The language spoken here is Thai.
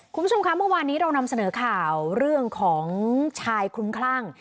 คุณผู้ชมคะเมื่อวานนี้เรานำเสนอข่าวเรื่องของชายคลุ้มคลั่ง